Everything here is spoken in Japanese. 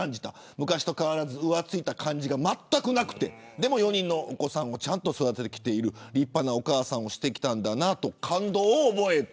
昔と変わらず浮ついた感じがまったくなくてでも４人のお子さんをちゃんと育ててきている立派なお母さんをしてきたんだなと感動を覚えた。